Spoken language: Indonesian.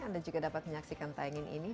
anda juga dapat menyaksikan tayangan ini